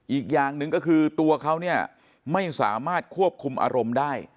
อีกอย่างหนึ่งก็คือตัวเขาเนี่ยไม่สามารถควบคุมอารมณ์ได้